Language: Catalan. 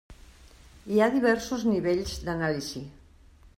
Hi ha diversos nivells d'anàlisi.